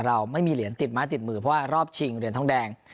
เราไม่มีเหรียญติดไม้ติดมือเพราะว่ารอบชิงเหรียญทองแดง